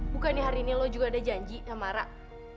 bukannya hari ini lo juga ada janji sama arak